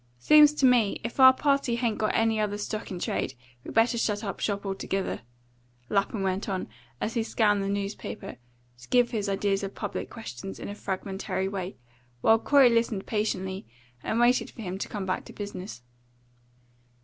Seems to me, if our party hain't got any other stock in trade, we better shut up shop altogether." Lapham went on, as he scanned his newspaper, to give his ideas of public questions, in a fragmentary way, while Corey listened patiently, and waited for him to come back to business.